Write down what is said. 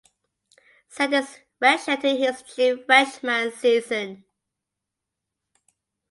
Sanders redshirted his true freshman season.